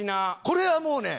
これはもうね